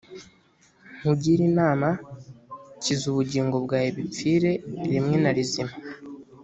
nkugire inama kiza ubugingo bwawe bipfire rimwe na rizima